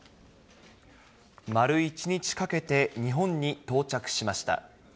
丸１日かけて日本に到着しました。